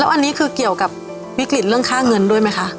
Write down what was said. อันนี้คือเกี่ยวกับวิกฤตเรื่องค่าเงินด้วยไหมคะ